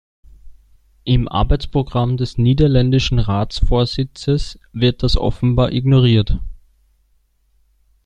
Im Arbeitsprogramm des niederländischen Ratsvorsitzes wird das offenbar ignoriert.